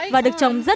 và được trồng rất tốt